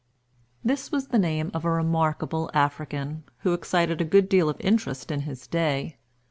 This was the name of a remarkable African, who excited a good deal of interest in his day.